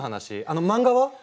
あの漫画は？